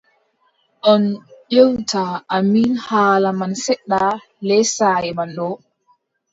On ƴewta amin haala man seɗɗa lee saaye man ɗo ?